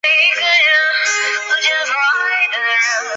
本作的角色图画是由插画家北千里所绘制。